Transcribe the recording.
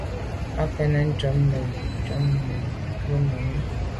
Â kɑ̂nə̄ ncóp zə mə̄ côb ndɛ̂mbə̄ mə̄ gə̀ rə̌ mùní.